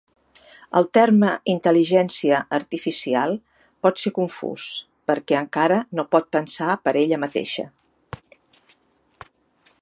El terme Intel·ligència Artificial pot ser confús, perquè encara no pot pensar per ella mateixa.